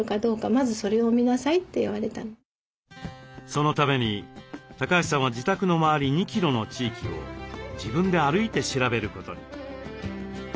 そのために橋さんは自宅の周り２キロの地域を自分で歩いて調べることに。